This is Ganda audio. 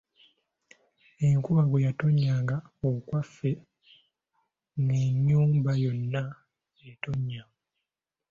Enkuba bwe yatonnyanga okwaffe ng’ennyumba yonna etonnya.